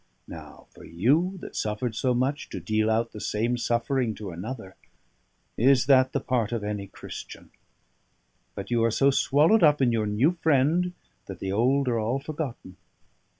Now for you, that suffered so much, to deal out the same suffering to another, is that the part of any Christian? But you are so swallowed up in your new friend that the old are all forgotten.